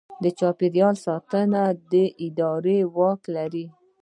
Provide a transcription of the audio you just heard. د چاپیریال ساتنې اداره واک لري؟